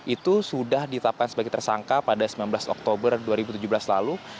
itu sudah ditetapkan sebagai tersangka pada sembilan belas oktober dua ribu tujuh belas lalu